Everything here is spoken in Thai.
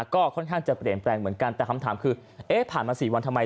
ก็ค่อนข้างจะเปลี่ยนแปลงเหมือนกันแต่คำถามคือเอ๊ะผ่านมา๔วันทำไม